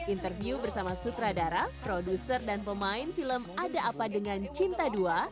interview bersama sutradara produser dan pemain film ada apa dengan cinta dua